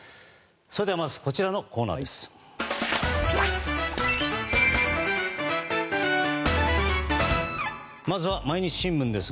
それではまずこちらのコーナーです。